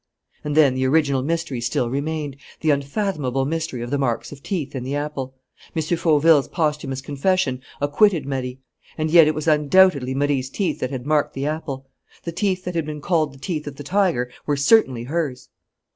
And then the original mystery still remained, the unfathomable mystery of the marks of teeth in the apple. M. Fauville's posthumous confession acquitted Marie. And yet it was undoubtedly Marie's teeth that had marked the apple. The teeth that had been called the teeth of the tiger were certainly hers.